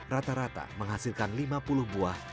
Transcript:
rata rata menghasilkan lima puluh buah